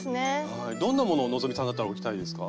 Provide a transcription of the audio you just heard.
はいどんなものを希さんだったら置きたいですか？